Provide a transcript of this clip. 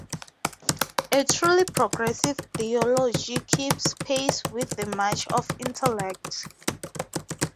A truly progressive theology keeps pace with the march of intellect.